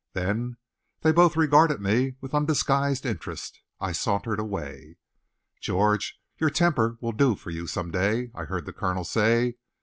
Then they both regarded me with undisguised interest. I sauntered away. "George, your temper'll do for you some day," I heard the colonel say.